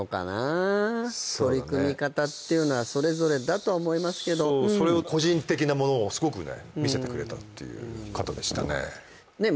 そうだね取り組み方っていうのはそれぞれだと思いますけどそうそれを個人的なものをすごくね見せてくれたっていう方でしたねねえ